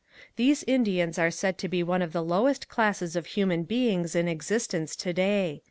These Indians are said to be one of the lowest classes of human beings in existence today.